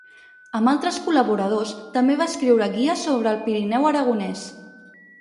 Amb altres col·laboradors també va escriure guies sobre el Pirineu aragonès.